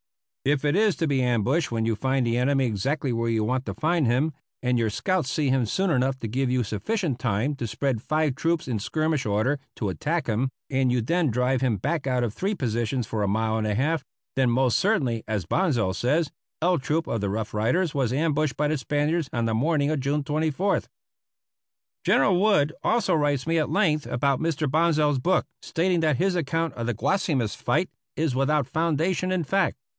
If it is to be ambushed when you find the enemy exactly where you went to find him, and your scouts see him soon enough to give you sufficient time to spread five troops in skirmish order to attack him, and you then drive him back out of three positions for a mile and a half, then most certainly, as Bonsal says, "L Troop of the Rough Riders was ambushed by the Spaniards on the morning of June 24th." General Wood also writes me at length about Mr. Bonsal's book, stating that his account of the Guasimas fight is without foundation in fact.